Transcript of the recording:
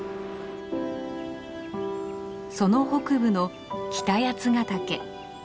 その北部の北八ヶ岳。